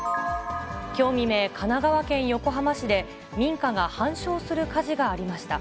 きょう未明、神奈川県横浜市で民家が半焼する火事がありました。